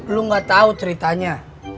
lu gak tau ceritanya